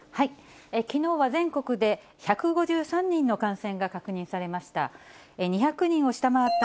きのうは全国で、１５３人の感染が確認されました。